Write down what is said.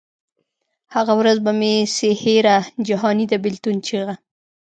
هغه ورځ به مي سي هېره جهاني د بېلتون چیغه